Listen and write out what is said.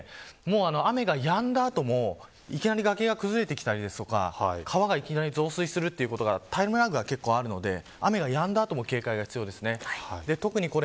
雨がやんだ後もいきなり崖が崩れてきたり川がいきなり増水することがタイムラグが結構あるので雨がやんだ後も警戒が必要です。